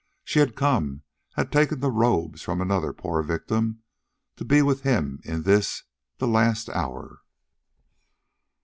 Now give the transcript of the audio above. She had come, had taken the robes from another poor victim ... to be with him in this, the last hour....